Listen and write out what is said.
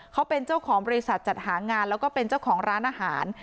เขาเป็นเจ้าของบริษัทจัดหางานแล้วก็เป็นเจ้าของร้านอาหาร